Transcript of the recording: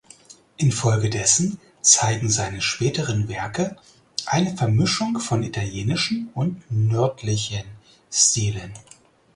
Infolgedessen zeigen seine späteren Werke eine Vermischung von italienischen und nördlichen Stilen.